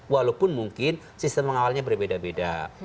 walaupun mungkin sistem mengawalnya berbeda beda